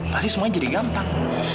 pasti semuanya jadi gampang